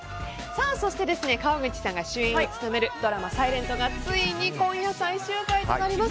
そして、川口さんが主演を務めるドラマ「ｓｉｌｅｎｔ」がついに今夜最終回となります。